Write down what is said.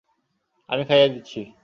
আমি খাইয়ে দিচ্ছি।